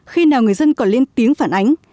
khi nào người dân còn lên tiếng phản ánh